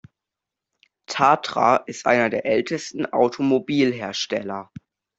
Tatra ist einer der ältesten Automobilhersteller.